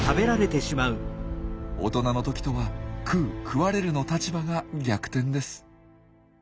大人の時とは食う食われるの立場が逆転です。